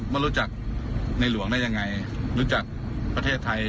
แบบนี้มียังไม่มีเฉพาะ